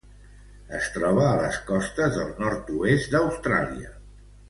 Es troba a les costes del nord-oest d'Austràlia.